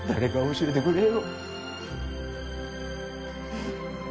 教えてくれよ！